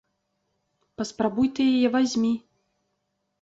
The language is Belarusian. Паспрабуй ты яе вазьмі!